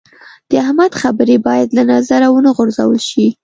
د احمد خبرې باید له نظره و نه غورځول شي.